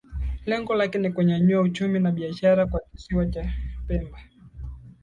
Lengo lake ni kunyanyua uchumi na biashara kwa kisiwa cha Pemba